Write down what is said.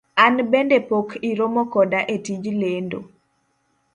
An bende pok iromo koda e tij lendo.